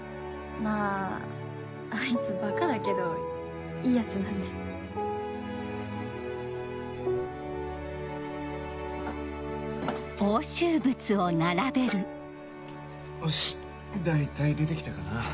まぁあいつバカだけどいいヤツなんでおし大体出て来たかな。